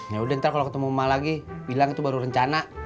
yaudah ntar kalo ketemu emak lagi bilang itu baru rencana